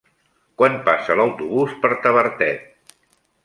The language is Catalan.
Quan passa l'autobús per Tavertet?